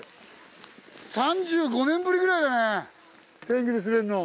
３５年ぶりぐらいだね天狗で滑んの。